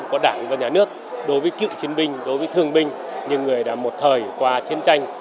của đảng và nhà nước đối với cựu chiến binh đối với thương binh như người đã một thời qua chiến tranh